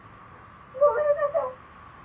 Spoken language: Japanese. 「ごめんなさい！」